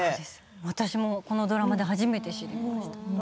私もこのドラマで初めて知りました。